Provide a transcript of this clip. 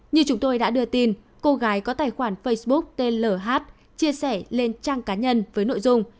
như chúng tôi đã đưa tin cô gái có tài khoản facebook tên l chia sẻ lên trang cá nhân với nội dung